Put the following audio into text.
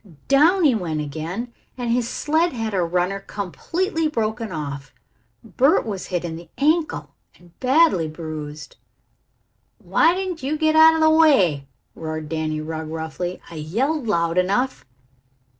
Down he went again and his sled had a runner completely broken off. Bert was hit in the ankle and badly bruised. "Why didn't you get out of the way!" roared Danny Rugg roughly. "I yelled loud enough."